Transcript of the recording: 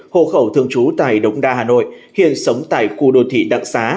hồ khẩu thương trú tại đống đa hà nội hiện sống tại khu đô thị đặng xá